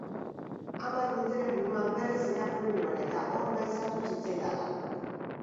Hamar urteren buruan berriz irakurri nuen, eta hor bai sartu zitzaidala.